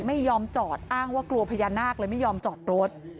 ไม่ยอมจอดอ้างว่ากลัวพญานาคเลยไม่ยอมจอดรถ